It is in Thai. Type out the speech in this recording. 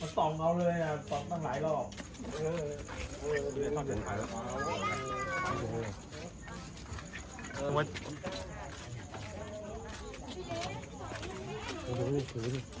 มันส่องเราเลยส่องตั้งหลายรอบ